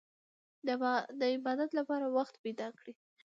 د عبادت لپاره وخت پيدا کړئ.